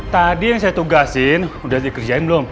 tadi yang saya tugasin udah dikerjain belum